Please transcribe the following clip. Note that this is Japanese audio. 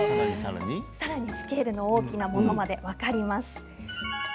さらにスケールの大きなものまで分かります。